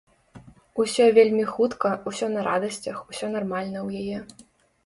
Усё вельмі хутка, усё на радасцях, усё нармальна ў яе.